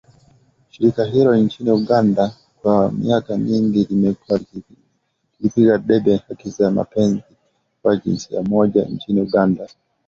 Shirika hilo nchini Uganda kwa miaka mingi limekuwa likipigia debe haki za wapenzi wa jinsia moja nchini Uganda.